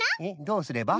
どうすれば？